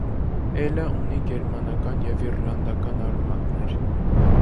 Էլը ունի գերմանական և իռլանդական արմատներ։